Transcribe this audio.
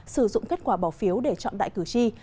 sử dụng kết quả bỏ phiếu để chọn đại cử tri